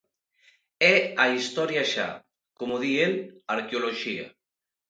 É a historia xa; como di el, arqueoloxía.